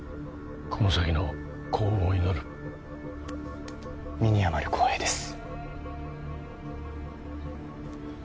この先の幸運を祈る身に余る光栄です